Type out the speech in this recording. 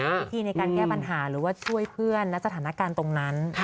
วิธีในการแก้ปัญหาหรือว่าช่วยเพื่อนและสถานการณ์ตรงนั้น